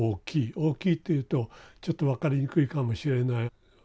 大きいっていうとちょっと分かりにくいかもしれない。